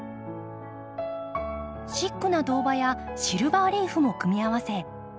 シックな銅葉やシルバーリーフも組み合わせ